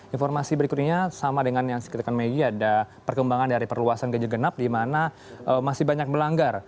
informasi berikutnya sama dengan yang sekitarkan maggie ada perkembangan dari perluasan ganjil genap di mana masih banyak melanggar